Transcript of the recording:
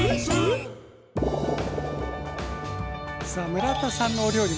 さあ村田さんのお料理